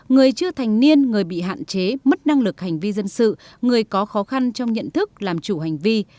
người chưa thành niên người bị hạn chế mất năng lực hành vi dân sự người có khó khăn trong nhận thức làm chủ hành vi